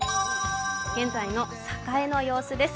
現在の栄の様子です。